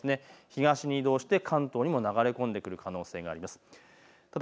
東に移動して関東にも流れ込んでくる可能性があります。